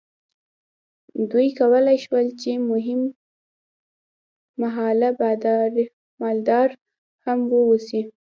دوی کولی شول چې هم مهاله مالدار هم واوسي.